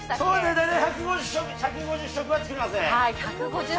大体１５０食は作りますね。